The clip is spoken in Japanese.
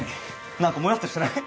何かモヤっとしてない？